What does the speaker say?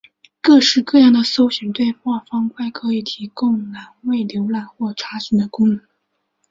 各式各样的搜寻对话方块可提供栏位浏览或查询的功能。